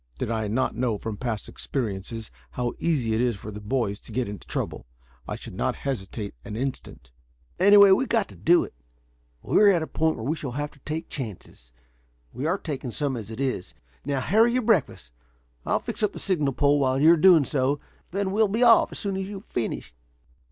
Did I not know from past experiences how easy it is for the boys to get into trouble, I should not hesitate an instant." "Anyway, we've got to do it. We are at a point where we shall have to take chances. We are taking some as it is. Now, hurry your breakfast. I'll fix up the signal pole while you are doing so, then we'll be off as soon as you have finished."